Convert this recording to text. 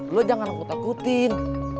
lo jangan aku takutin